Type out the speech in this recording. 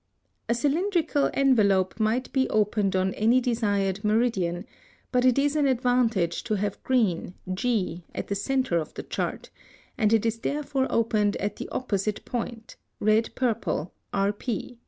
+ (136) A cylindrical envelope might be opened on any desired meridian, but it is an advantage to have green (G) at the centre of the chart, and it is therefore opened at the opposite point, red purple (RP).